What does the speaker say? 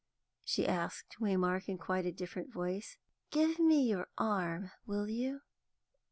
she asked Waymark, in quite a different voice. "Give me your arm, will you?"